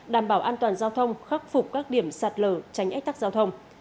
đảm bảo an toàn giao thông khắc phục các điểm sạt lở tránh ách tắc giao thông